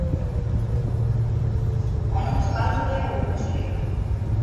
অনন্ত কাল ধরিয়া এইরূপ চলিবে।